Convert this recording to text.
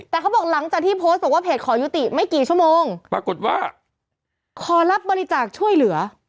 แต่เขาบอกหลังจากที่โพสต์บอกว่าเพจขอยุติไม่กี่ชั่วโมงปรากฏว่าขอรับบริจาคช่วยเหลือ